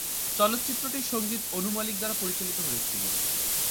চলচ্চিত্রটির সঙ্গীত অনু মালিক দ্বারা পরিচালিত হয়েছিলো।